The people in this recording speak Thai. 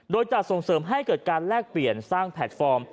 โดยจะส่งเสริมให้เกิดการแลกเปลี่ยนสร้างแพลตฟอร์ม